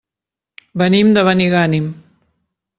Venim de Benigànim.